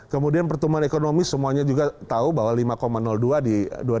kemudian pertumbuhan ekonomi semuanya juga tahu bahwa lima dua di dua ribu dua puluh